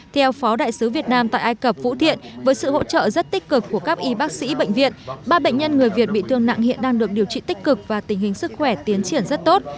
theo phó đại sứ việt nam tại ai cập vũ thiện với sự hỗ trợ rất tích cực của các y bác sĩ bệnh viện ba bệnh nhân người việt bị thương nặng hiện đang được điều trị tích cực và tình hình sức khỏe tiến triển rất tốt